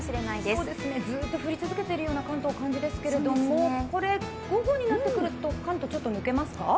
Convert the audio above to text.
関東はずっと降り続けているような感じですけれどもこれ、午後になってくると関東、ちょっと抜けますか？